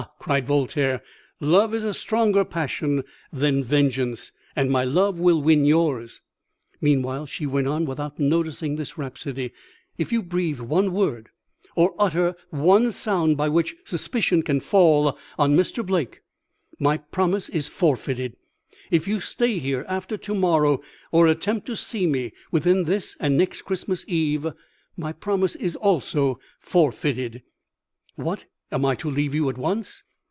cried Voltaire, 'love is a stronger passion than vengeance, and my love will win yours.' "'Meanwhile,' she went on without noticing this rhapsody, 'if you breathe one word or utter one sound by which suspicion can fall on Mr. Blake, my promise is forfeited; if you stay here after to morrow, or attempt to see me within this and next Christmas Eve, my promise is also forfeited.' "'What, am I to leave you at once?'